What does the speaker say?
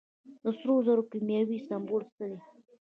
د سرو زرو کیمیاوي سمبول څه دی.